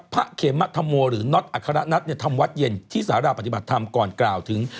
เขมธรโมหรือน็อตอัครนัททำวัดเย็นที่สาราปฏิบัติธรรมก่อนกล่าวถึง